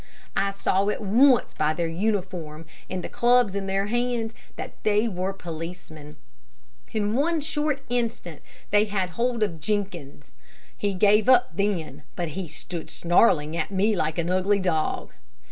I saw at once by their uniform and the clubs in their hands, that they were policemen. In one short instant they had hold of Jenkins. He gave up then, but he stood snarling at me like an ugly dog.